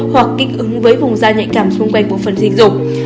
hoặc kích ứng với vùng da nhạy cảm xung quanh bộ phần dịch dụng